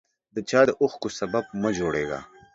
د چا د اوښکو سبب مه جوړیږه